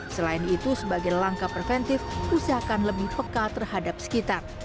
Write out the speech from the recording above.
selain itu sebagai langkah preventif usahakan lebih peka terhadap sekitar